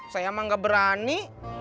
saya mah gak berani